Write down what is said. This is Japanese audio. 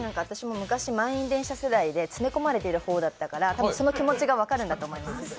私も昔、満員電車世代で、詰め込まれてる方だったから、たぶんその気持ちが分かるんだと思います。